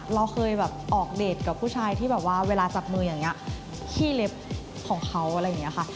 เราเคยแบบออกเดทกับผู้ชายที่แบบว่าเวลาจับมืออย่างนี้ขี้เล็บของเขาอะไรอย่างนี้ค่ะ